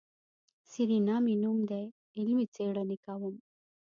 سېرېنا مې نوم دی علمي څېړنې کوم.